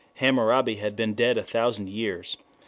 Hammurabi had been dead a thousand years...